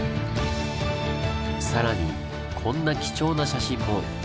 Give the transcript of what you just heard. さらにこんな貴重な写真も！